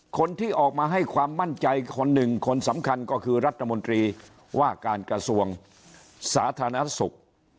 คนที่ออกมาให้ความมั่นใจคนหนึ่งคนสำคัญก็คือรัฐมนตรีว่าการกระทรวงสาธารณสุข